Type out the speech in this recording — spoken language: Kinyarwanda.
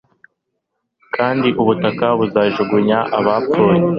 kandi ubutaka buzajugunya abapfuye.»